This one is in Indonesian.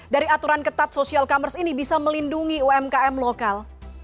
dari aturan ketat social commerce ini bisa melindungi umkm lokal